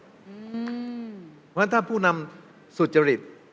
เพราะฉะนั้นถ้าผู้นำสุจริต